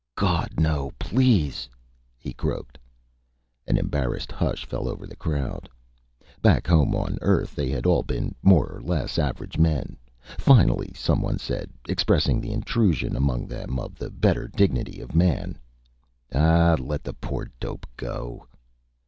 "Gawd no please!" he croaked. An embarrassed hush fell over the crowd. Back home on Earth, they had all been more or less average men. Finally someone said, expressing the intrusion among them of the better dignity of man: "Aw let the poor dope go...."